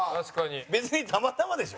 別に、たまたまでしょ？